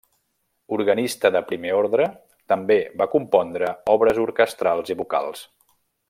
Organista de primer ordre, també va compondre obres orquestrals i vocals.